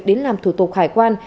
đến làm thủ tục hải quan